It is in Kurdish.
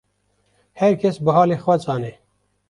Her kes bi halê xwe zane